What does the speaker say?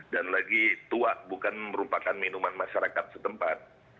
dan lagi tuak bukan merupakan minuman masyarakat setempat